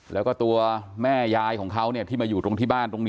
และตัวแม่ยายของเขาที่มาอยู่ตรงที่บ้าน